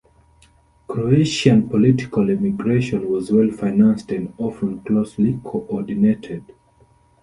Croatian political emigration was well-financed and often closely co-ordinated.